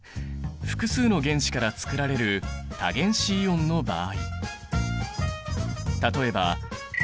複数の原子からつくられる多原子イオンの場合。